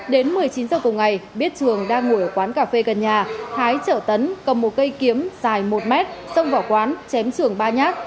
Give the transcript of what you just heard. đến một mươi chín h cùng ngày biết trường đang ngồi ở quán cà phê gần nhà thái chở tấn cầm một cây kiếm dài một mét xông vào quán chém trường ba nhát